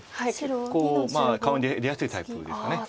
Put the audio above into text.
結構顔に出やすいタイプです。